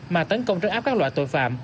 mà tấn công trấn áp các loại tội phạm